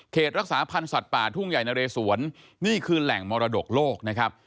รักษาพันธ์สัตว์ป่าทุ่งใหญ่นะเรสวนนี่คือแหล่งมรดกโลกนะครับ